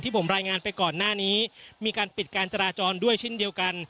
ผมรายงานไปก่อนหน้านี้มีการปิดการจราจรด้วยเช่นเดียวกัน